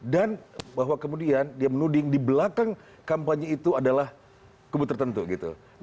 dan bahwa kemudian dia menuding di belakang kampanye itu adalah kubu tertentu gitu